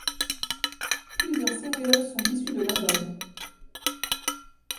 Plusieurs singles sont issus de l'album.